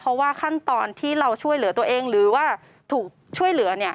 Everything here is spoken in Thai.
เพราะว่าขั้นตอนที่เราช่วยเหลือตัวเองหรือว่าถูกช่วยเหลือ